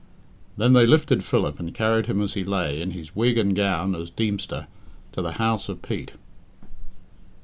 Then they lifted Philip, and carried him as he lay, in his wig and gown as Deemster, to the house of Pete.